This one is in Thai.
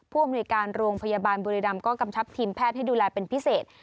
ผู้อำนวยการโรงพยาบาลบุรีรำก็กำชับทีมแพทย์ให้ดูแลเป็นพิเศษ